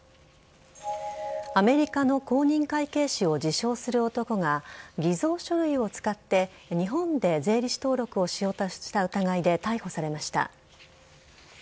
アメリカの公認会計士を自称する男が偽造書類を使って日本で税理士登録をしようとした疑いで逮捕されました。